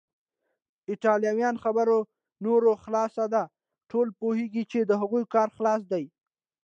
د ایټالویانو خبره نوره خلاصه ده، ټوله پوهیږي چې د هغوی کار خلاص دی.